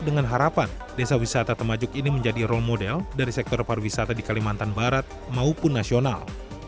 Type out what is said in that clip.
dengan harapan desa wisata temajuk ini menjadi role model dari sektor pariwisata di kalimantan barat maupun nasional